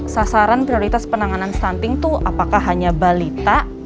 sasaran prioritas penurunan stunting itu menjadi salah satu program prioritas berkelanjutan